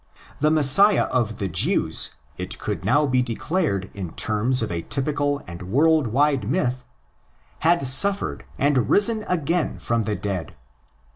The Messiah of the Jews, it could now be declared in terms of a typical and world wide myth, had suffered and risen again from the dead.